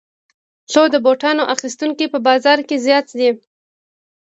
خو د بوټانو اخیستونکي په بازار کې زیات دي